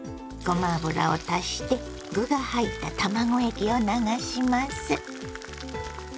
ごま油を足して具が入った卵液を流します。